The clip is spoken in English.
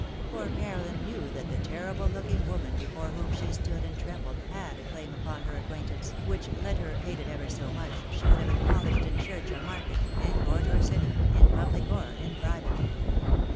Poor Caroline knew that the terrible looking woman before whom she stood and trembled, had a claim upon her acquaintance, which, let her hate it ever so much, she would have acknowledged in church or market, in court or city, in pubHc or in private.